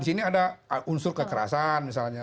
di sini ada unsur kekerasan misalnya